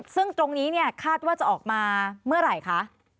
ซึ่งตรงนี้เนี่ยคาดว่าจะออกมาเมื่อไหร่คะ